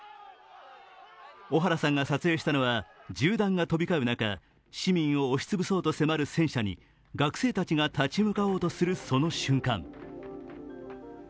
小原さんが撮影したのは銃弾が飛び交う中、市民を押し潰そうと迫る戦車に学生たちが立ち向かおうとするその瞬間。